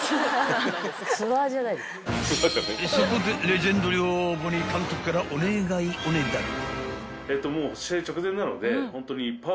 ［そこでレジェンド寮母に監督からお願いおねだり］